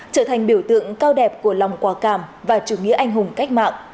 trở thành biểu tượng cao đẹp của lòng quả cảm và chủ nghĩa anh hùng cách mạng